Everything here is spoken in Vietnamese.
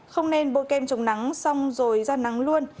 không nên bôi kem chống nắng xong rồi ra nắng luôn